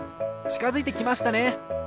ちかづいてきましたね。